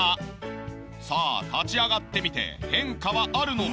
さあ立ち上がってみて変化はあるのか？